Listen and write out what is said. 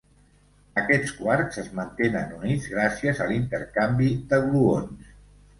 Aquests quarks es mantenen units gràcies a l'intercanvi de gluons.